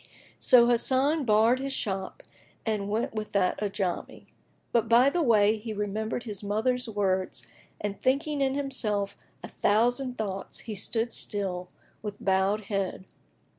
So Hasan barred his shop and went with that Ajamí; but by the way he remembered his mother's words and thinking in himself a thousand thoughts he stood still, with bowed head.